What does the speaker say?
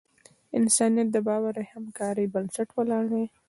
انسانیت د باور او همکارۍ پر بنسټ ولاړ دی.